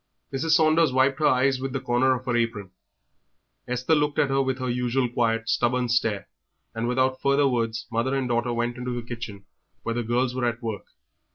Mrs. Saunders wiped her eyes with the corner of her apron; Esther looked at her with her usual quiet, stubborn stare, and without further words mother and daughter went into the kitchen where the girls were at work.